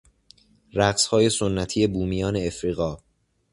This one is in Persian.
رقصهای سنتی بومیان افریقا